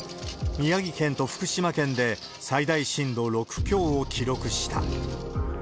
宮城県と福島県で最大震度６強を記録した。